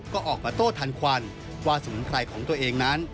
ก็ออกมาโต้ทันควันว่าสมุนไพรของตัวเองนั้น